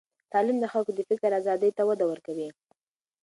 تعلیم د خلکو د فکر آزادۍ ته وده ورکوي.